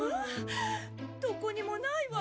どこにもないわ。